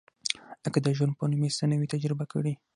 لکه د ژوند په نوم یې څه نه وي تجربه کړي.